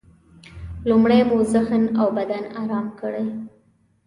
لومړی مو ذهن او بدن ارام کړئ.